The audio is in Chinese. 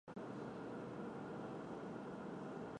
陇海路是河南省郑州市一条呈东西走向的城市主干道。